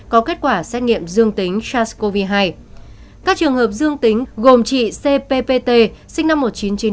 có kết quả xét nghiệm dương tính sars cov hai các trường hợp dương tính gồm chị cpp sinh năm một nghìn chín trăm chín mươi